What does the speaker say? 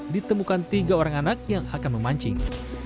ditemukan tiga orang anak yang akan memancing